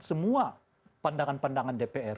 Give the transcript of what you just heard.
semua pandangan pandangan dpr